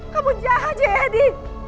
kamu jahat jayadi